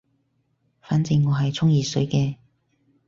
反正我係沖熱水嘅